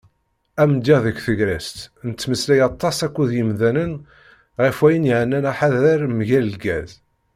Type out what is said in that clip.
Amedya deg tegrest: Nettmeslay aṭas akked yimdanen ɣef wayen yeɛnan aḥader mgal lgaz.